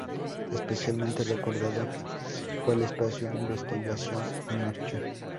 Especialmente recordado fue el espacio Investigación en marcha.